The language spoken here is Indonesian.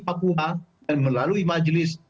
papua dan melalui majelis